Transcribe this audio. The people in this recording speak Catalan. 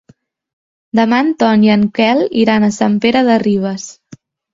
Demà en Ton i en Quel iran a Sant Pere de Ribes.